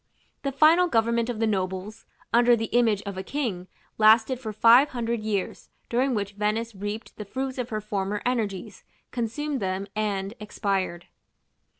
The final government of the nobles, under the image of a king, lasted for five hundred years, during which Venice reaped the fruits of her former energies, consumed them, and expired.